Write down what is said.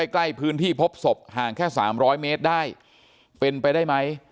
ใกล้พื้นที่พบศพห่างแค่๓๐๐เมตรได้เป็นไปได้ไหม